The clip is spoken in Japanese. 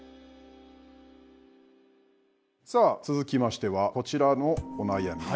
さあ続きましてはこちらのお悩み。